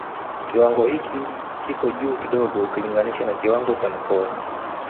Kiwango hiki kiko juu kidogo ukilinginisha na kiwango cha Mkoa